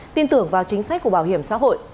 tin tưởng vào chính sách của bảo hiểm xã hội